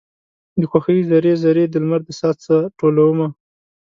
د خوښۍ ذرې، ذرې د لمر د ساه څه ټولومه